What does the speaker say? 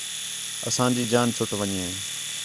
اسانجی جان چُھٹ ون٘ڄے